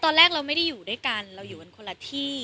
ตอนแรกเราไม่ได้อยู่ด้วยกันเราอยู่กันคนละที่